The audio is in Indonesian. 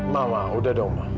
mama udah dong